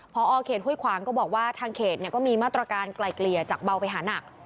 พอเขตห้วยขวางก็บอกว่าทางเขตก็มีมาตรการไกลเกลี่ยจากเบาไปหานัก